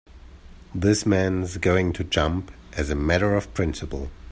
This man's going to jump as a matter of principle.